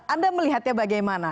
anda melihatnya bagaimana